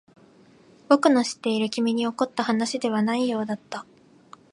僕の知っている君に起こった話ではないようだった。